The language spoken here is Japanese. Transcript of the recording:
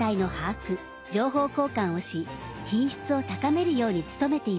情報交換をし品質を高めるように努めています。